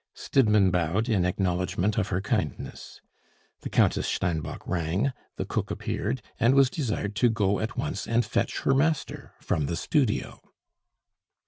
Stidmann bowed in acknowledgment of her kindness. The Countess Steinbock rang; the cook appeared, and was desired to go at once and fetch her master from the studio.